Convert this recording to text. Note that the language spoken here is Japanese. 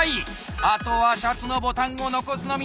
あとはシャツのボタンを残すのみ。